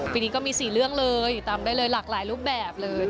ปีนี้ก็มี๔เรื่องเลยติดตามได้เลยหลากหลายรูปแบบเลย